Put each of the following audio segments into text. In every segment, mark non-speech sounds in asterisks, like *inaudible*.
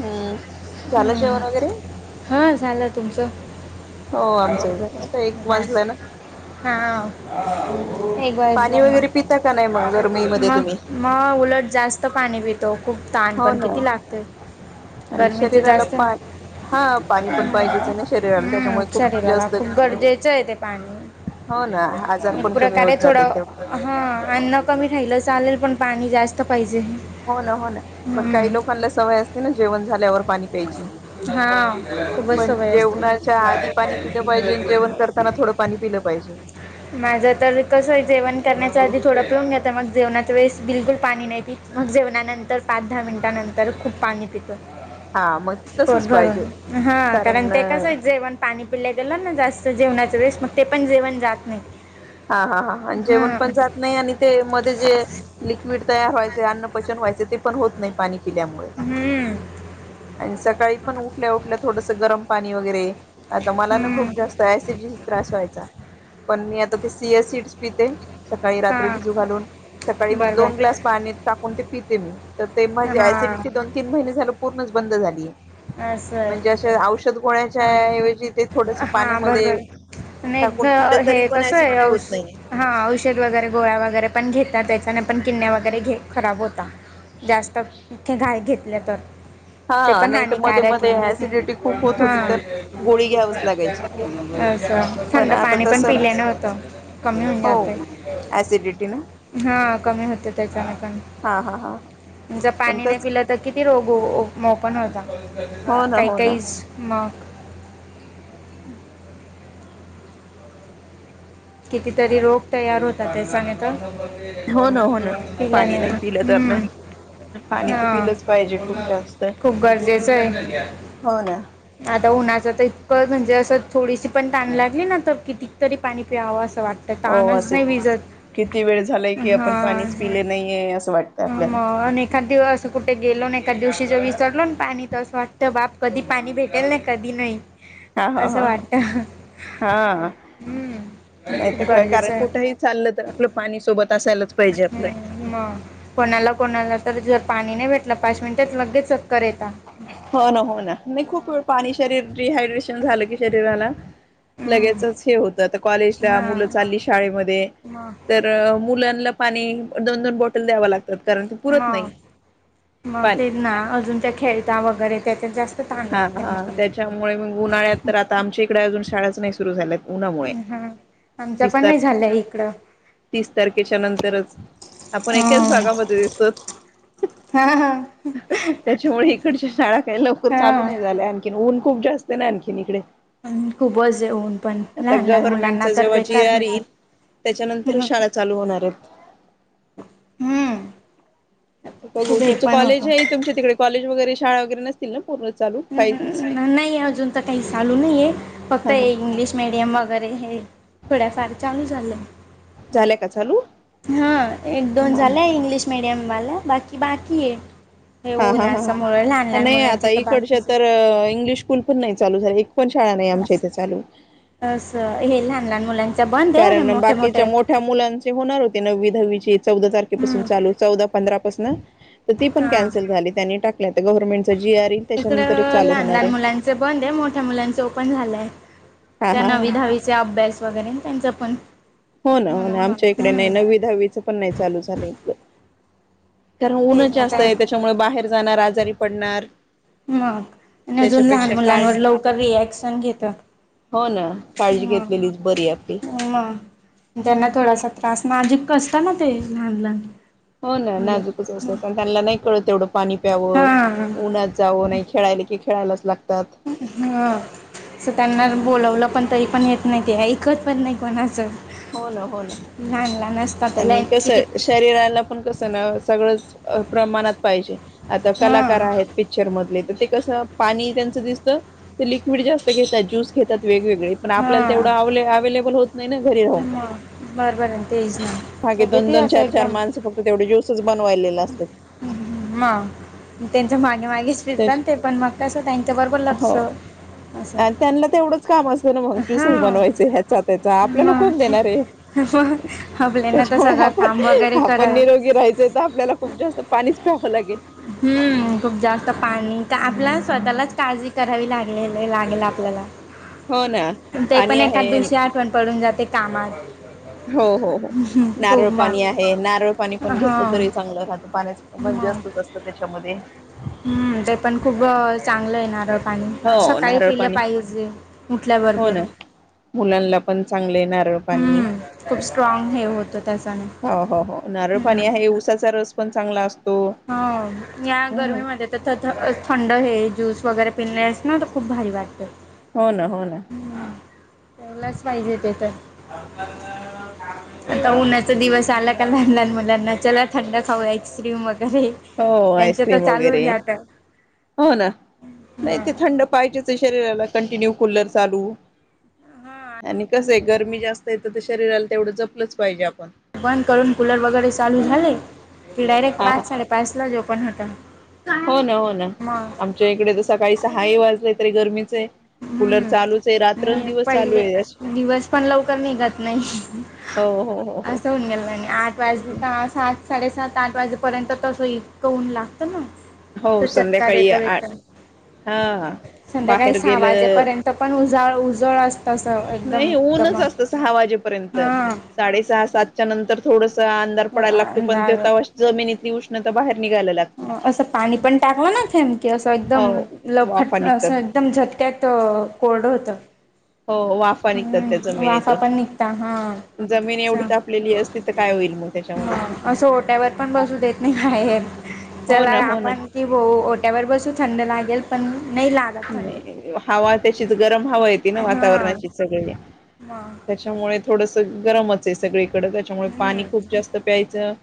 हम्म झालं ह् जेवण वगैरे हा झालं तुमच हो हा आमचंही झालं आता एक वाजलाय ना हम्म एक बा पाणी वगैरे पिता का नाही मग गरमीमध्ये म तुम्ही मग उलट जास्त पाणी पित दोन हो पण ना किती लागते आणि गर्मीच शरीराला जास्त पा हा पाणी पण पाहिजेच आहे ना शरीराला पाणी त्याच्यामुळे खूप शरीराला जास्त खूप गरजेचं आहे ते पाणी हो ना आजार पण कमी होत जाते थोडं तेवढ ह अन्न कमी खाल्ल चालेल पण पाणी जास्त पाहिजे हो ना हो ना पण काही हम्म लोकांना सवय असते ना जेवण झाल्यावर पाणी प्यायची हा खूपच पण सवय असते जेवणाच्या आधी पाणी पिलं पाहिजे आणि जेवण करताना थोडं पाणी पिलं पाहिजे माझ तर कस जेवण करण्याच्या आधी थोडं पिऊून टाकायचं तर मग जेवणाच्या वेळेस बिलकुल पाणी नाही प मग जेवणानंतर पाच दहा मिनिटानंतर खूप पाणी पितो हा म पोट भरून हा कारण ते कसं जेवून पाणी पिलं गेलं ना जास्त जेवणाच वेळेस मग ते पण जेवण जात नाही हा हा हा आणि जेवण हां पण जात नाही आणि ते मध्ये जे लिक्विड तयार व्हायचे अन्नपचन व्हायचे ते पण होत नाही पाणी पील्यामुळे हम्म, आणि सकाळी पण उठल्या उठल्या थोडसं गरम पाणी वगैरे आता मला ना खूप हम्म. जास्त ऍसिड चा त्रास व्हायचा पण मी आता ते चीया सीड्स पिते सकाळी रात्री हां भिजत घालून सकाळी मग बरोबर दोन ग्लास पाणी टाकून ते पीतेे मी तर ते म्हझे ऍसिडिटी हां दोन तीन महिने झाले पूर्णच बंद झाली असं म्हणजे अशी औषध गोळ्याच्या आहे ऐवजी ते थोडस हा पाण्यामध्ये बरोबर आणि एक टाकून पिलं तरी हे पण कसं आहे ऍसिडिटी होत नाहीये औषध हा औषध वगैरे गोळा्या वगैरे पण घेतात त्याच्याने पण किडन्या वगैरे खराब होतात जास्त इतकी घाय घेतले तर ते हा पण नाही तर मध्ये हानिकारक मध्ये ऍसिडिटी ये खूप होत हा होती तर गोळी घ्यावीच लागायची अस पण थंड आता पाणी पण तसं नाही पिले नव्हतं कमी होऊन जाते हो ऍसिडिटी ना हा कमी होते त्याच्या हा हा हा जर पण पाणी नाही कस पिलं तर किती रोग ओपन होता हो ना काही हो ना काहीच मग कितीतरी रोग तयार होतात ते हो ना हो ना पाणी पिल्याने नाही पिलं तर ना हम्म पाणी तर ह पिलंच पाहिजे खूप जास्त खूप गरजेचं आहे हो ना आता उन्हाच तर इतकं म्हणजे असं थोडीशी पण तहान लागली ना तर किती तरी पाणी ते आवाज हो तान्ह च असे नाही भिजत किती वेळ झालाय की आपण पाणीच पिले नाहीये असं वाटतं आपल्याला मग एका दिवस असं ते गेलो ना एका दिवशीच विसरलो ना पाणी तसं वाटतं बाप कधी पाणी भेटेल नाही कधी नाही हा ह असं वाटतं ह हा हम्म. नाही तर खूप का गरजेचं कारण आहे कुठेही चाललं तर आपलं पाणी सोबत. असायला मग कोणाला कोणाला तर पाणी नाही भेटलं पाच मिनिटात लगेच येतात हो ना हो ना मी खूप वेळ हां पाणी शरीर डिहायड्रेशन झालं की शरीराला लगचच हे होत कॉलेजला मुलं हां चालली शाळेमध्ये मग तर मुलांना पाणी दोन दोन बॉटल द्यावं लागत. मग मग पाणी तेच ना अजूनच्या खेळ वगैरे त्याच्यात जास्त. ताण हा लागते हा मग त्याच्यामुळे म उन्हाळ्यात तर आता आमच्या इकडे अजून शाळाच नाही सुरू. सुरू झालेत. उन्हामुळे हा आमच्या तीस पण तार नाही झालंय इकडं तीस तारखेच्या नंतरच आपण एकाच भागामध्ये दिसतो हा हा हा त्याच्यामुळे इकडच्या शाळा काही लवकर हा नाही झाले आणखी ऊन खूप जास्त ना आणखीन इकडे. अ खूपच येऊन पण आता लहान लहान मुलांना गव्हर्नमेंटचा तर जेव्हा जी बेकार आर होत येईल त्याच्यानंतर हम् शाळा चालू होणार आहेत. हम्म. बघू खूप हे तुमचं पण कॉलेज होतो आहे तुमच्या तिकडे कॉलेज वगरे शाळा वगैरे नसतील ना. पूर्ण चालू काहीच नाही अजून तर काही चालू नाहीे फक्त हा हा इंग्लिश मीडियम वगैरे हे थोड्याफार चाू झालं. झाल्या का चालू हा एक दोन हा झाल्या इंग्लिश मीडियम मला बाकी बाकी हे हे हा हा ऊनास मुळे लहान हा लहान नाही मुलांच आता बा इकडच्या तर इंग्लिश स्कूल पण नाहीत. चालू झाली. पण शाळा नाही आमच्या इथे चालू असं हे लहान लहान मुलांचा बंद आहे हे कारण मोठे मोठे बाकीच्या मोठ्या मुलांचे होणार होते नववी दहावी चौदा तारखेपासून हम्म चालू चौदा पंधरा कस न पण हा कॅन्सल झाली त्यांनी टाकली आता गव्हर्नमेंट चा जी आ र इकडं त्याच्यानंतर चालू लहान होणार लहान हे मुलांचे बंद आहे मोठ्या मुलांचे ओपन झालंय त्या नव्वी दहावीचे अभ्यास वगैरे न त्यांच जपण हो ना हो ना आमच्या इकडे नाही नव्वी दहावीचं पण नाही चालू झालं कारण ते उनं जास्त आता आहे त्याच्यामुळे बाहेर जाणार आज. तरी पडणार मग आणि अजून लहान त्याच्यापेक्षा काळ मुलांवर लवकर रिऍकशन घेत, हो ना काळजी मग घेतलेलीच बरी आपली. मग त्यांना थोडासा त्रास माजिक कसत ना ते लहान लहान. हो ना मुले नाजूकच असत पण त्यांनला नाही कळत तेवढ पाणी प्यावं हा उन्हात जावं नाही खेळायला की खेळायलाच लागतात ह अस त्यांना बोलावलं पण तरी पण येत नाही ते ऐकत पण नाही कोणाचं हो ना हो ना लहान लहान असतात तर आणि लय कस किती शरीराला आपण कसं ना सगळंच प्रमाणात पाहिजे. आता कलाकार हां आहेत पिक्चर मधले त. ते कस पाणी त्यांच दिसत ते लिक्विड जास्त घेतात ज्यूस घेतात. वेगवेगळे पण आपल्याला हां तेवढव आवलयाअवेलेबल होत. नाही ना, घरी आहो ह बरं बरं तेच ना मागे सगळे दोन ते दोन चार चार माणस फक्त तेवढे ज्यूसेच बनवायला म त्यांच्या मागे मागेच फिरतात तेच ते पण मग कसं त्यांच्याबरोबर लक्ष हो असं अ त्यांना तेवढंच काम असतं ना मग ज्युसेस हां बनवायचे ह्याचा त्याचा आपल्याला मग कोण ते देणार हे मग आपल्याला तर त्याच्यामुळे सगळं काम आपण वगैरे आपण करावं निरोगी राहायचे आपल्याला खूप जास्त पाणी पस प हो लागे हम्म खूप जास्त पाणी तर आपल्या स्वतःलाच काळजी करावी लागले लागेल आपल्याला हो ना ते पाणी पण एका दिवशी आहे आठवण पडून जाते. कामात हो हो हो खूप नारळ पाणी मग आहे नारळ पाणी पण घेतलं हं तरी चांगलं खातं पाण्याच मग जास्त असतं त्याच्यामध्ये ते हम्म ते पण खूप चांगलं आहे. नारळ पाणी हो सकाळी नारळ पिले पाणी पाहिजे. हो उठल्याबरोबर ना मुलांना पण चांगले येणार हम्म खूप स्ट्रॉंग हे होतं त्याच्याने हो नारळ पाणी हम्म आहे उसाचा र पण चांगला असतो. हो या ह गर्मीमध्ये थ थ थंड हे. ज्यूस वगैरे पिनलेस ना त खूप भारी वाटत. हो ना हो ना हा, प्यायलाच पाहिजे ते तर. *unintelligible* आता उन्हाचा दिवस आला लहान लहान मुलांना चला थंड खाऊ आस्क्रीम वगे हो आईस्क्रीम वगैरे, जातं हो ना, नाही ते हं थंड पाहिजे. शरीराला कंटिन्यू कुलर चालू आणि कसं आहे गरमी जास्तय ते शरीराला तेवढं जपलंच पाहिजे आप बंद करून कूलर वगैरे चालू झाले की डायरेक्ट हा हा पाच साडे पाच ला झो पण होता. हो ना, हो ना, आमच्या इकडे तर सकाळी सहा हि वाजले तरी गरमीचं आहे. कूलर हम्म, चालूच आहे मी रात्रंदिवस चालू पहिले आहे दिवस पण लवकर निघत नाही हो हो हो हो असं होऊन गेलं आठ वाजले का सात साडेसात आठ वाजेपर्यंत तसं इतक उन्ह लागतं ना. हो तो चटकार संध्याकाळी येतो आ, एकदम. हा बाहेर. ह गेलं वाजेपर्यंत पण. उजाळा उजाळा अस नाही ऊनच असत सहा वाजेपर्यंत हा साडेसहा सात त्यानंतर थोडंस. अधार पडयला लागतो पण ते अंधार तवा जमीनीतली उष्ण नता बाहेर. निघायला लागते असं पाणी पण टाकल ना थेम की असं एकदम हो ल वाफा फट अस निघतात एकदम झटक्यात कोरड होत. हो वाफा निघतात त्या हम् वाफा पण जमिनीतून निघता हा जमीन एवढी चा तापलेली असती तर काय होईल मग त्याच्यामध्ये असं ओट्यावर पण बसू देत नाही बाहेर हो चला ना हो ना आपण कि हो ओट्यावर बसू थंड लागेल. पण. नाही लागत थंड हवा. तशीच गरम हवा येती ना हा वातावरणाची सगळे, मग त्याच्यामुळे थोडस गरमच हाय सगळे. थोडं त्याच्यामुळे हम्म पाणी खूप जास्त प्यायचं.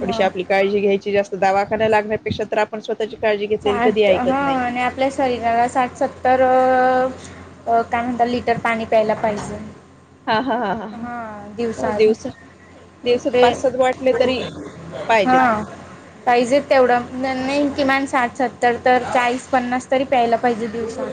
थोडीशी मग आपली काळजी घ्यायची जास्त. दवाखाना लागण्यापेक्षा तर आपण स्व साठ हं आणि आपल्या शरीराला साठ सत्तर अ अ काय म्हणता लिटर पाणी प्यायला पाहिजे. हा. दिवसात दिवसात ते पाच सात वाटले तरी हा, पाहिजेत पाहिजे तेवढं नाही किमान साठ, सत्तर तर चाळीस, पन्नास तरी प्यायला पाहिजे दिवसात.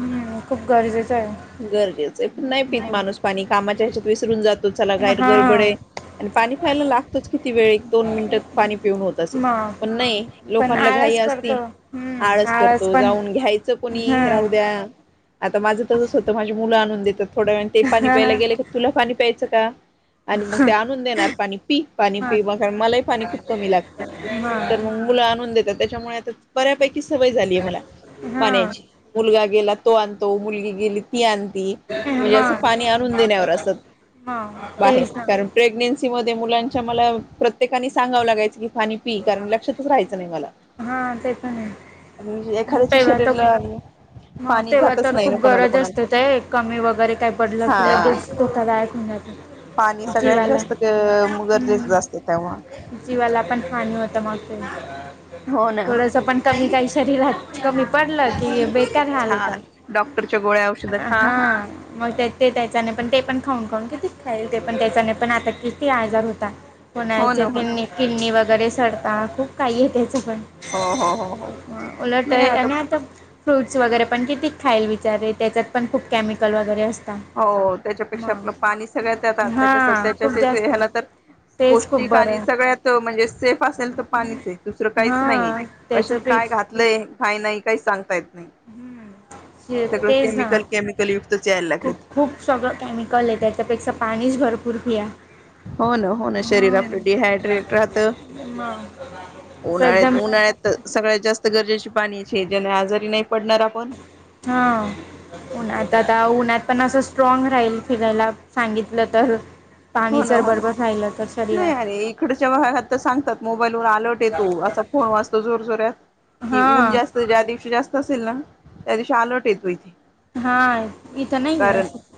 हम्. खूप गरजेचं आहे. घरजेच नाही पित माणूस हम्म पाणी कामाच्या ह्याच्यात विसरून जात. चला गार गडबड हा आहे आणि पाणी प्यायला चला आता काय गडबड आहे. पाणी प्यायला लागतोच किती वेळ दोन मिनिट पाणी पिऊन होत असेल, मग पण नाही पण लोकांना घाई आळस असती, करतो हम्म आळस करतो पण जाऊन घ्यायचं कोणी? राहू द्या. हम्म आता माझं तसंच होत माझी मुलं आणून देतात. थोड्या वेळा नी ते हा प्यायला गेले का तुला पाणी प्यायचं का? आणि मग ते आणून देणार पाणी पी, पाणी पी मग मलाही पाणी खूप कमी लागतं तर मग मुलं आणून देतात. त्याच्यामुळे आता बऱ्यापै की सवय झालीय मला हा पाण्याची, मुलगा गेला तो आणतो मुलगी गेली ती आण. ती म्हणजे अस मग पाणी आणून देण्यावर असत मग बाहेर, तेच ना कारण प्रेगन्सी म मुलांच्या मला प्रत्येकाने सांगाव लागायचं की पाणी पी कारण लक्षातच राहायचं नाही मला, हा ते पण आहे एखाद्याच्या तेव्हा तर खूप शरीरला मग पाणी तेव्हा जातच तर नाही. खूप कोणाला गरज असते. कोणाला ते कमी वगैरे काही पडलं की, हा लगेच धोकादायक म्ह *inaudible* पाणी सगळ्यात जास्त मग हम्म गरजेचं असतं तेव्हा. *inaudible* हो ना थोडस पण कमी काही शरीरात कमी पडलं की बेकार हाल होतात, चाल डॉक्टरच्या गोळ्या औषधं खा हा मग ते त्याच्या नाही पण ते पण खाऊन खाऊन खाईल ते पण त्याच्याने पण आता किती आजार होतात. हो कोणायचे ना हो पण ति किडनी वगैरे वगैरे सडता खूप काही. पण हो हो हो हो उलट यांनी आणि आता फ्रूट्स वगैरे पण किती खाईल बिचारे त्याच्यात पण खूप केमिकल वगैरे असते. हो त्याच्यापेक्षा आपलं पाणी सगळ्याततच्या हा सध्याच्या खूप जास्त ह्याला तर तेच खूप पौष्टिक बरं आणि आहे सगळ्यात म्हणजे, ते सेफ असेल तर पाणीच आहे दुसरं काहीच नाहीय हा कशात काय त्याच्यापेक्षा घातलंय हाय नाही काही सांगतायत हुम्म. *unintelligible* तेच ना केमिकल केमिकल युक्तच यायला खुप लागलेत खूप सगळं केमिकल ये त्याच्यापेक्षा पाणीच भर *unintelligible* या हो ना हो ना, शरीर आपलं डिहायड्रेट राहत, मग असं उन्हाळ्यात एकदम उन्हाळ्यात सगळ्यात जास्त गरजेचे पाणी छे ज्याने आजारी नायी. हा उनात आता आता उनात पण असं स्ट्रॉंग राहील फिरायला सांगितलं तर हो पाणी ना जर हो ना, बरोबर राहिलं तर नाही शरीरात अरे इकडच्या भागात तर सांगतात, मोबाईल वर आलर्ट येतो असा फोन वाजतो जोर जोरत कि हा ऊन जास्त ज्या दिवशी जास तसेल ना त्या दिवशी आलर्ट येतो इथे हा इथं नाही आहे कारण असं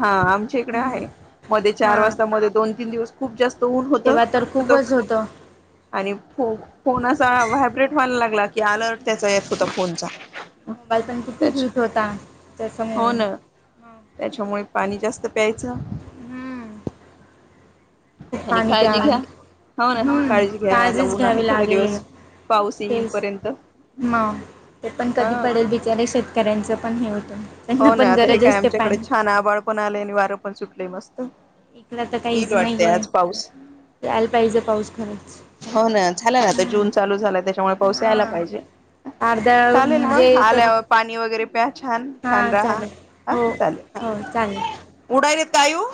हा आमच्या इकडे आहे मधे चार हा वाजता मध्ये दोन तीन दिवस खूप जास् त ऊन होत, तेव्हा तर त त खूपच होतं आणि हो फोन असा व्हायब्रेट व्हायला लागला की, आलर्ट त्याचा येत होता फोनचा मोबाईल पण किती त्याच यूज होता त्याच्यामुळे, हो ना हा त्याच्यामुळे पाणी जास्त प्यायच. खूप पाणी प्या, घ्या हो ना हम्म काळजी घ्या आता ताजीच ऊन आहे घ्यावी थोडा लागेल ये दिवस पाऊस तेच येईलपर्यंत म ते पण कधी हा पडेल बिचारे शेतकऱ्यांचं पण हे होत हो ना आता हे काय आमच्याकडे छान आबाळ पण आले आणि वारं पण सुट लई मस त इकडं तर येईल काहीच नाही वाटते आहे आज पाऊस, यायला पाहिजे पाऊस खरंच हो ना झाला ना आता जून चालू झाला त्याच्यामुळे पाऊस यायला हां पाहिजे, अर्धा चालेल मग म्हणजे तर आल्यावर पाणी वगैरे प्या छान छान हां रहा चालेल हा हो चालेल हो ह, चालेल उडायत काय ओ